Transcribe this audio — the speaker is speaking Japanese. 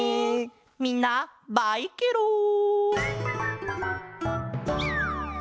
みんなバイケロン！